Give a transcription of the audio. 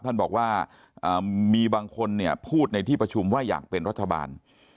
ท่านบอกว่ามีบางคนเนี่ยพูดในที่ประชุมว่าอยากเป็นรัฐบาล